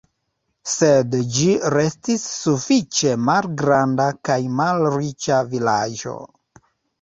Sed ĝi restis sufiĉe malgranda kaj malriĉa vilaĝo.